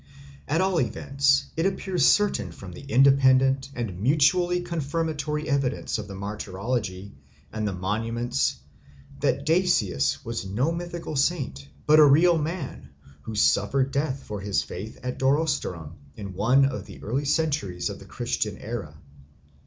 At all events it appears certain from the independent and mutually confirmatory evidence of the martyrology and the monuments that Dasius was no mythical saint, but a real man, who suffered death for his faith at Durostorum in one of the early centuries of the Christian era.